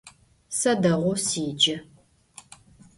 Se değou sece.